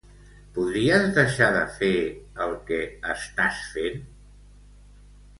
Podries deixar de fer el que estàs fent?